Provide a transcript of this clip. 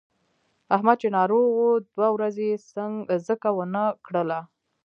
احمد چې ناروغ و دوه ورځې یې څکه ونه کړله.